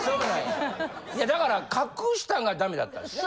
だから隠したんがダメだったんですね？